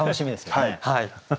はい。